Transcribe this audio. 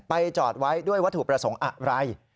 จอดไว้ด้วยวัตถุประสงค์อะไร